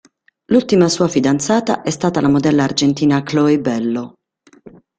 L'ultima sua fidanzata è stata la modella argentina Chloe Bello.